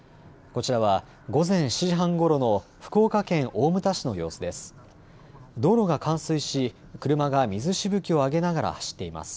こちらは午前７時半ごろの福岡県大牟田市の様子です。